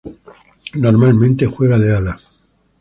Normalmente juega de ala.